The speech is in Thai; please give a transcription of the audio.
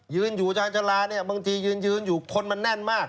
ยืนอยู่ชาญชาลาเนี่ยบางทียืนอยู่คนมันแน่นมาก